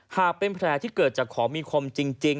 หากเป็นแผลที่เกิดจากของมีคมจริง